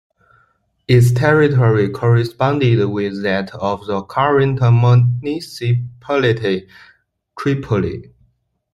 Its territory corresponded with that of the current municipality Tripoli.